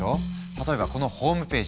例えばこのホームページ。